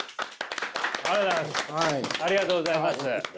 ありがとうございます。